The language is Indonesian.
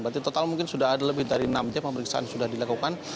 berarti total mungkin sudah ada lebih dari enam jam pemeriksaan sudah dilakukan